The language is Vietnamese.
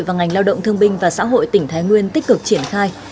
và ngành lao động thương binh và xã hội tỉnh thái nguyên tích cực triển khai